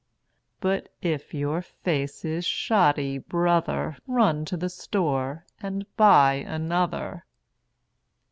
But if your face is shoddy, Brother, Run to the store and buy another!